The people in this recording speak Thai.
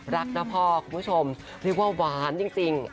รักนะพ่อคุณผู้ชมเรียกว่าหวานจริง